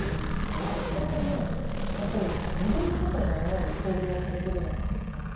何か２人ともやっぱり自分のことのように行動されてるじゃないですか。